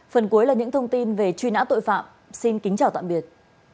phần cuối là những thông tin về truy nã tội phạm xin kính chào tạm biệt